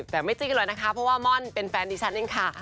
แต่ไม่จิ้นเลยนะคะเพราะว่าม่อนเป็นแฟนดิฉันเองค่ะ